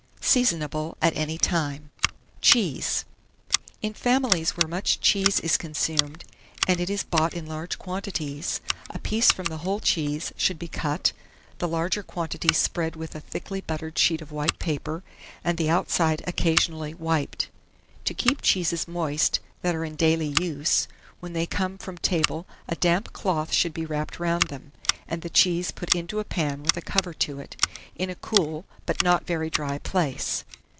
Seasonable at any time. CHEESE. 1638. In families where much cheese is consumed, and it is bought in large quantities, a piece from the whole cheese should be cut, the larger quantity spread with a thickly buttered sheet of white paper, and the outside occasionally wiped. To keep cheeses moist that are in daily use, when they come from table a damp cloth should be wrapped round them, and the cheese put into a pan with a cover to it, in a cool but not very dry place.